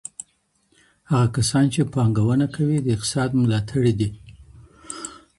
هغه کسان چی پانګونه کوي د اقتصاد ملاتړي دي.